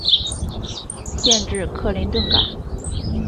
县治克林顿港。